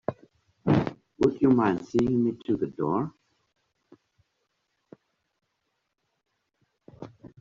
Would you mind seeing me to the door?